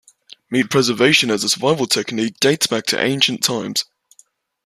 Meat preservation as a survival technique dates back to ancient times.